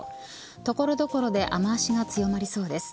所々で雨脚が強まりそうです。